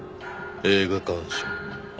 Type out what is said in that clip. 映画鑑賞。